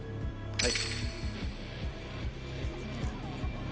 はい。